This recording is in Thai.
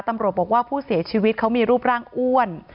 ตำรวจบอกว่าผู้เสียชีวิตเขามีรูปร่างอ้วน